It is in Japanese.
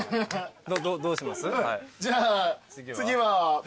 どうします？